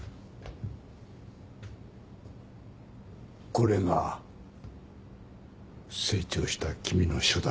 これが成長した君の書だね？